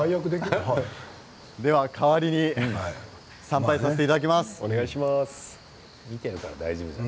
代わりに参拝させていただきます。